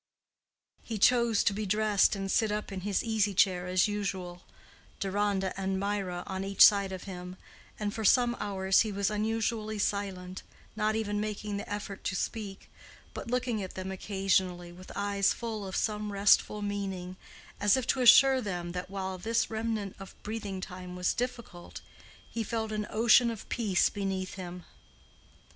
He chose to be dressed and sit up in his easy chair as usual, Deronda and Mirah on each side of him, and for some hours he was unusually silent, not even making the effort to speak, but looking at them occasionally with eyes full of some restful meaning, as if to assure them that while this remnant of breathing time was difficult, he felt an ocean of peace beneath him.